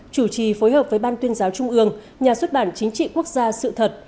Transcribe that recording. chủ trì phối hợp với ban tuyên giáo trung ương nhà xuất bản chính trị quốc gia sự thật